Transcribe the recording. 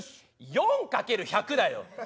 ４×１００だよ！